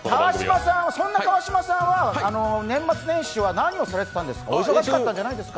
そんな川島さんは年末年始は何をされていたんですか？